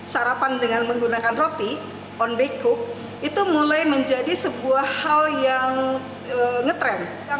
sarapan dengan menggunakan roti on back cook itu mulai menjadi sebuah hal yang ngetrend